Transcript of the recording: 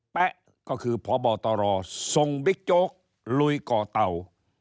แป๊ะก็คือพบตรส่งบิ๊กโจ๊กลุยก่อเต่า